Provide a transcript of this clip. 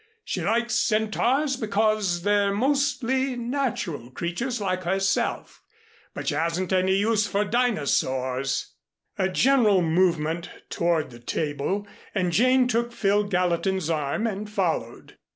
She likes Centaurs because they're mostly natural creatures like herself, but she hasn't any use for Dinosaurs!" A general movement toward the table, and Jane took Phil Gallatin's arm and followed.